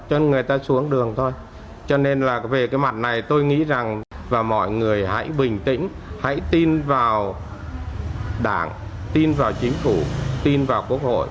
cho người ta xuống đường thôi cho nên là về cái mặt này tôi nghĩ rằng và mọi người hãy bình tĩnh hãy tin vào đảng tin vào chính phủ tin vào quốc hội